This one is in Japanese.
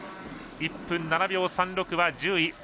１分７秒３６は１０位。